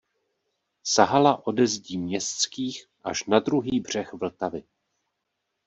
Sahala ode zdí městských až na druhý břeh Vltavy.